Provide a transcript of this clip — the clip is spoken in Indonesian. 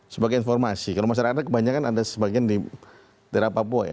sebagai informasi kalau masyarakat kebanyakan ada sebagian di daerah papua ya